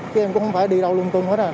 chứ em cũng không phải đi đâu lung tung hết à